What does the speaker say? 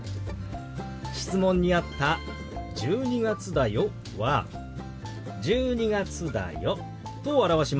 質問にあった「１２月だよ」は「１２月だよ」と表しますよ。